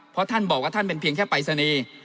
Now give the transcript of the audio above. เพราะท่านบอกว่าท่านเป็นเพียงแค่ปรายศนีย์